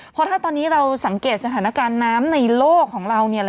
เพราะถ้าตอนนี้เราสังเกตสถานการณ์น้ำในโลกของเรา